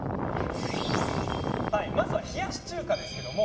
まずは冷やし中華。